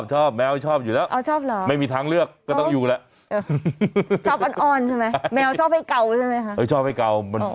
ชอบแมวชอบอยู่แล้วไม่มีทางเลือกก็ต้องอยู่แล้วชอบอ้อนใช่ไหมแมวชอบให้เก่าใช่ไหมคะ